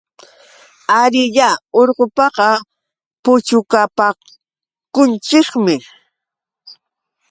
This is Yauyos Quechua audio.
Ariyá urqupaqa puchukapakunchikmiki.